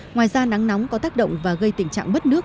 ngoài ra nắng nóng có tác động và gây tình trạng bất nước